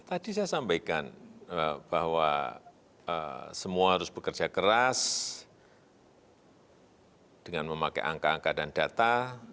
tadi saya sampaikan bahwa semua harus bekerja keras dengan memakai angka angka dan data